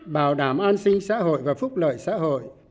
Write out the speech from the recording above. bảo đảm an sinh xã hội và phúc lợi xã hội